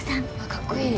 かっこいい。